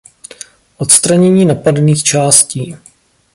Odstranění napadených částí.